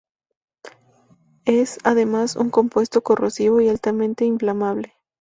Es, además, un compuesto corrosivo y altamente inflamable.